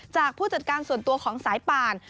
ผู้จัดการส่วนตัวของสายป่าน